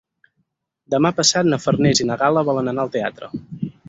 Demà passat na Farners i na Gal·la volen anar al teatre.